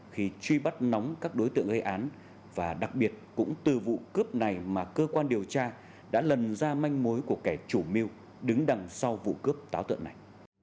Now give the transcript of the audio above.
khi truy bắt nóng các đối tượng gây án và đặc biệt cũng từ vụ cướp này mà cơ quan điều tra đã lần ra manh mối của kẻ chủ mưu đứng đằng sau vụ cướp táo tợn này